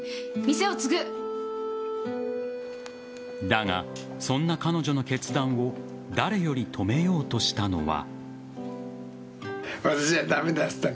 だが、そんな彼女の決断を誰より止めようとしたのは。